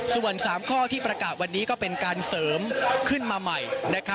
ส่วน๓ข้อที่ประกาศวันนี้ก็เป็นการเสริมขึ้นมาใหม่